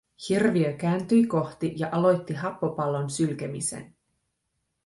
Hirviö kääntyi kohti ja aloitti happopallon sylkemisen.